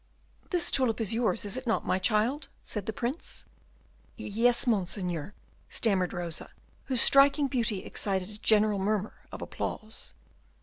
"This tulip is yours, is it not, my child?" said the Prince. "Yes, Monseigneur," stammered Rosa, whose striking beauty excited a general murmur of applause.